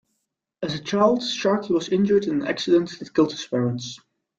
As a child, Sharkey was injured in an accident that killed his parents.